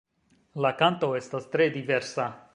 La kanto estas tre diversa.